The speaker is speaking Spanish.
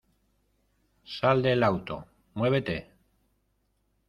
¡ Sal del auto! ¡ muévete !